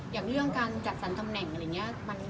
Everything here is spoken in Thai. อย่างเรื่องการจัดสรรตำแหน่งอะไรอย่างนี้